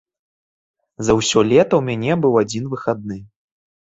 За ўсё лета ў мяне быў адзін выхадны.